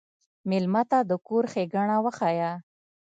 مېلمه ته د کور ښيګڼه وښیه.